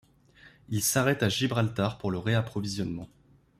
Il s'arrête à Gibraltar pour le réapprovisionnement.